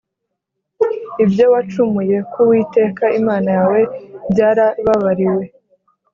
ibyo wacumuye ku Uwiteka Imana yawe byarababariwe